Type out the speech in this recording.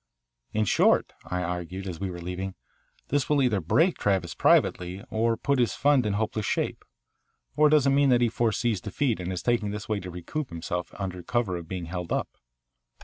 "In short," I argued as we were leaving, "this will either break Travis privately or put his fund in hopeless shape. Or does it mean that he foresees defeat and is taking this way to recoup himself under cover of being held up?"